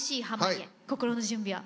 心の準備は？